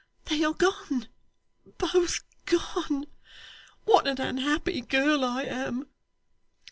'They are gone, both gone. What an unhappy girl I am!